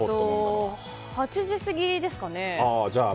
８時過ぎですかね。